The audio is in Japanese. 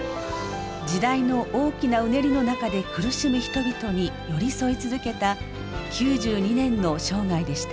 時代の大きなうねりの中で苦しむ人々に寄り添い続けた９２年の生涯でした。